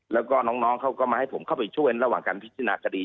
แล้วก็น้องเขาก็มาให้ผมเข้าไปช่วยระหว่างการพิจารณาคดี